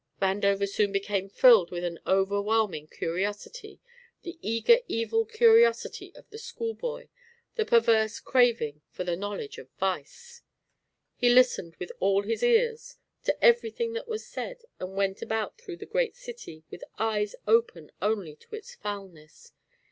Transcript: Vandover soon became filled with an overwhelming curiosity, the eager evil curiosity of the schoolboy, the perverse craving for the knowledge of vice. He listened with all his ears to everything that was said and went about through the great city with eyes open only to its foulness.